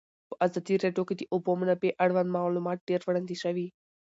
په ازادي راډیو کې د د اوبو منابع اړوند معلومات ډېر وړاندې شوي.